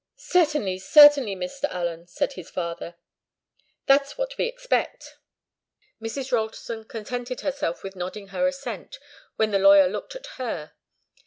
"Certainly, certainly, Mr. Allen," said his father. "That's what we expect." Mrs. Ralston contented herself with nodding her assent, when the lawyer looked at her.